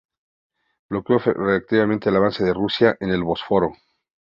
Bloqueó efectivamente el avance de Rusia en el Bósforo.